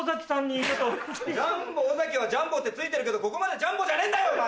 ジャンボ尾崎は「ジャンボ」って付いてるけどここまでジャンボじゃねえんだよお前！